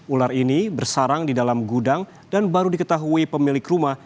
ular ini bersarang di dalam gudang dan baru diketahui pemilik rumah